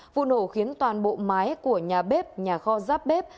vụ nổ khiến toàn bộ mái của nhà bếp nhà kho giáp bếp